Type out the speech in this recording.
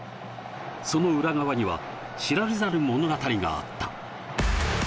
その裏側には知られざる物語があった。